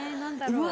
うわ。